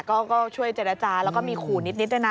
ก็ช่วยเจรจาแล้วก็มีขู่นิดด้วยนะ